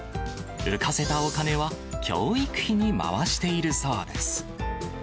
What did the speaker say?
浮かせたお金は、教育費に回しているそうです。